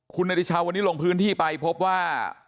คุณนาฬิชาววันนี้ลงพื้นที่ไปพบว่า